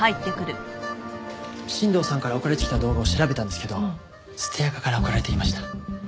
新藤さんから送られてきた動画を調べたんですけど捨てアカから送られていました。